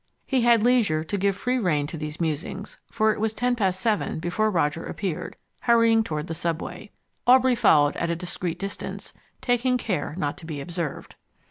He had leisure to give free rein to these musings, for it was ten past seven before Roger appeared, hurrying toward the subway. Aubrey followed at a discreet distance, taking care not to be observed.